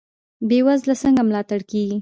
بې وزله څنګه ملاتړ کیږي؟